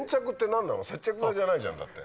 接着剤じゃないじゃんだって。